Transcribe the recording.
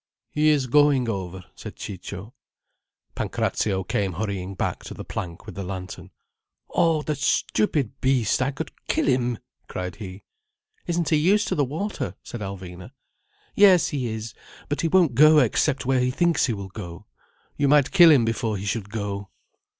"He is going over," said Ciccio. Pancrazio came hurrying back to the plank with the lantern. "Oh the stupid beast! I could kill him!" cried he. "Isn't he used to the water?" said Alvina. "Yes, he is. But he won't go except where he thinks he will go. You might kill him before he should go."